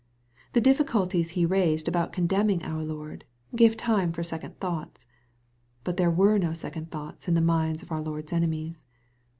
The difficulties be raised about condemning our Lord, gave time for second thoughts. But there were no second thoughts in the minds of our Lord's enemies.